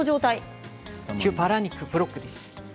牛バラ肉ブロックです。